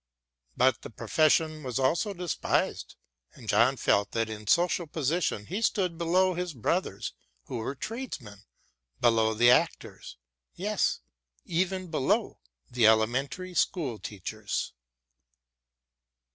But the profession was also despised, and John felt that in social position he stood below his brothers who were tradesmen, below the actors, yes, even below the elementary school teachers.